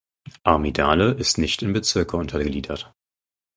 Armidale ist nicht in Bezirke untergliedert.